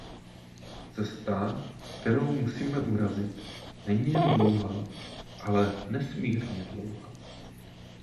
Cesta, kterou musíme urazit, není jen dlouhá, ale nesmírně dlouhá.